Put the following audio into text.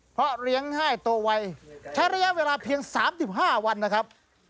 เพราะเลี้ยงให้โตไวใช้ระยะเวลาเพียง๓๕วันนะครับ